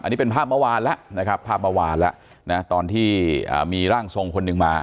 อันนี้เป็นภาพเมื่อวานแล้วนะครับภาพเมื่อวานแล้วนะตอนที่มีร่างทรงคนหนึ่งมา